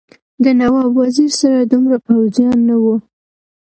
د نواب وزیر سره دومره پوځیان نه وو.